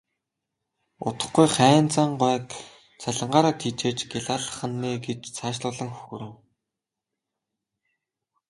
Удахгүй Хайнзан гуайг цалингаараа тэжээж гялайлгах нь ээ гэж цаашлуулан хөхөрнө.